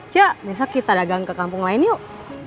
ce besok kita dagang ke kampung lain yuk